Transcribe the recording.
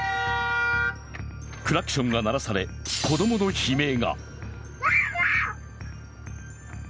クラクションが鳴らされ子供の悲鳴が。